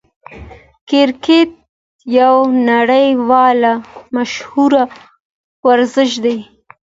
کرکټ یو نړۍوال مشهور ورزش دئ.